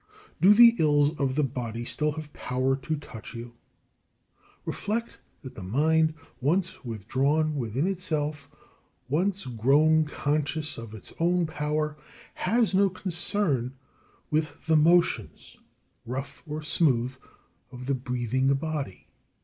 Do the ills of the body still have power to touch you? Reflect that the mind, once withdrawn within itself, once grown conscious of its own power, has no concern with the motions, rough or smooth, of the breathing body.